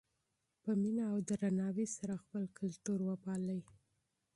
په مینه او ادب سره خپل کلتور وپالئ.